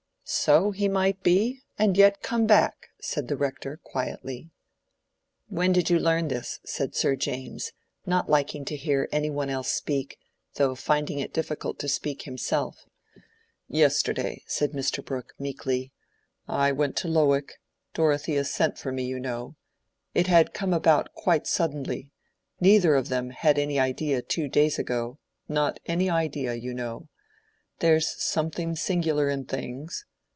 "So he might be, and yet come back," said the Rector, quietly. "When did you learn this?" said Sir James, not liking to hear any one else speak, though finding it difficult to speak himself. "Yesterday," said Mr. Brooke, meekly. "I went to Lowick. Dorothea sent for me, you know. It had come about quite suddenly—neither of them had any idea two days ago—not any idea, you know. There's something singular in things.